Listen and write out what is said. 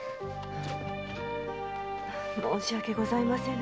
申し訳ございません。